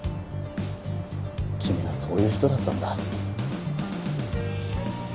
君はそういう人だったんだ。